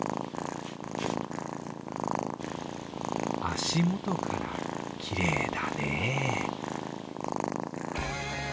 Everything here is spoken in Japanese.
足元からきれいだねぇ。